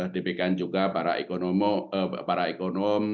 demikian juga para ekonom